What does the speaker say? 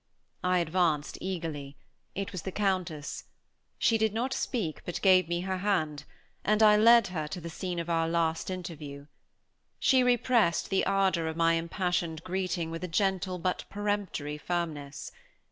I advanced eagerly. It was the Countess. She did not speak, but gave me her hand, and I led her to the scene of our last interview. She repressed the ardor of my impassioned greeting with a gentle but peremptory firmness.